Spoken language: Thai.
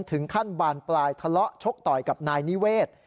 ถึงขั้นบานปลายทะเลาะชกต่อยกับนายนิเวศ